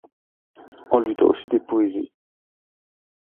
On lui doit aussi des poésies.